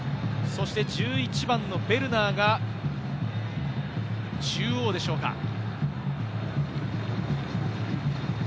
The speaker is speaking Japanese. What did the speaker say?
そして１１番のベルナーが中央でしょうか。